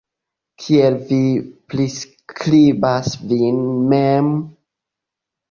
Kiel vi priskribas vin mem?